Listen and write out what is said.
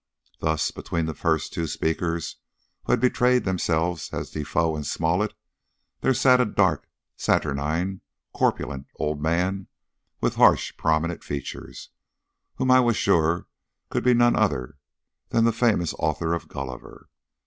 Thus between the first two speakers, who had betrayed themselves as Defoe and Smollett, there sat a dark, saturnine corpulent old man, with harsh prominent features, who I was sure could be none other than the famous author of Gulliver.